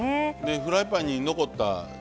フライパンに残ったたれをね